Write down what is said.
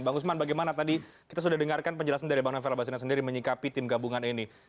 bang usman bagaimana tadi kita sudah dengarkan penjelasan dari bang novel basina sendiri menyikapi tim gabungan ini